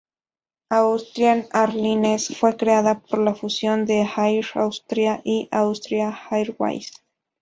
Austrian Airlines fue creada por la fusión de Air Austria y Austrian Airways.